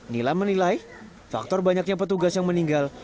nila menilai faktor banyaknya petugas yang meninggal